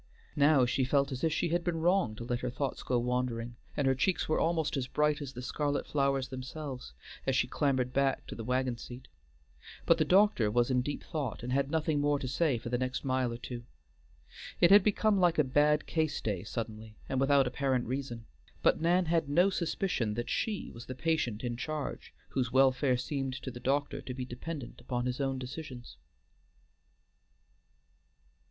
Now she felt as if she had been wrong to let her thoughts go wandering, and her cheeks were almost as bright as the scarlet flowers themselves, as she clambered back to the wagon seat. But the doctor was in deep thought, and had nothing more to say for the next mile or two. It had become like a bad case day suddenly and without apparent reason; but Nan had no suspicion that she was the patient in charge whose welfare seemed to the doctor to be dependent upon his own decisions.